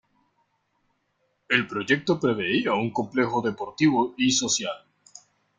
El proyecto preveía un complejo deportivo y social.